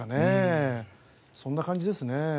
そんな感じですね。